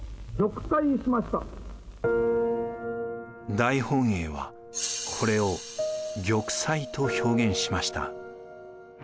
大本営はこれを「玉砕」と表現しました。